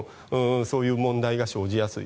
そういう問題が生じやすい。